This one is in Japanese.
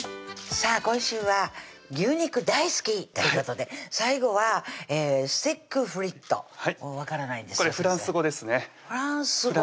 さぁ今週は「牛肉大好き」ということで最後は「ステック・フリット」分からないんですがこれフランス語ですねフランス語？